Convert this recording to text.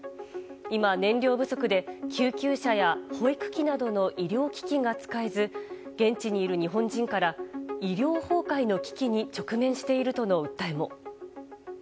今、燃料不足で救急車や保育器などの医療機器が使えず現地にいる日本人から医療崩壊の危機に直面しているとの訴えも。